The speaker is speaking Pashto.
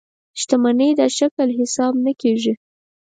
شتمنۍ دا شکل حساب نه کېږي.